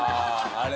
あれ。